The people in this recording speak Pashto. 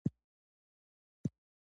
د سیدآباد بازار په همدې سیمه کې پروت دی.